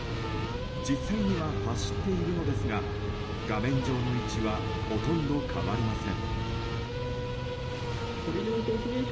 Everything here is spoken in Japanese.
実際には走っているのですが画面上の位置はほとんど変わりません。